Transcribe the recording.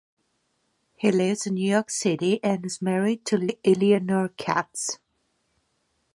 He lives in New York City and is married to Eleanor Katz.